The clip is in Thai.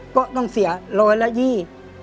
ก็ต้องเสียร้อยละยี่